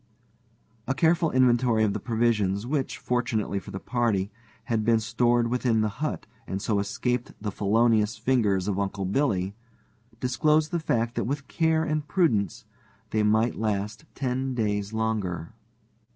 A careful inventory of the provisions, which, fortunately for the party, had been stored within the hut and so escaped the felonious fingers of Uncle Billy, disclosed the fact that with care and prudence they might last ten days longer.